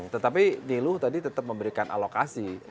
tetapi niluh tadi tetap memberikan alokasi